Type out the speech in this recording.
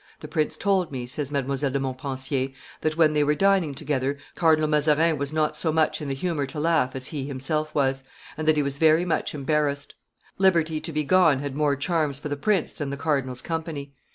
"The prince told me," says Mdlle. de Montpensier, "that, when they were dining together, Cardinal Mazarin was not so much in the humor to laugh as he himself was, and that he was very much embarrassed. Liberty to be gone had more charms for the prince than the cardinal's company.